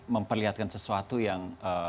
memperlihatkan sesuatu yang